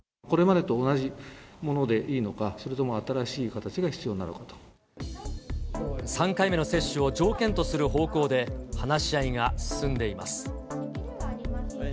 これまでと同じものでいいのか、３回目の接種を条件とする方向で、話し合いが進んでいます。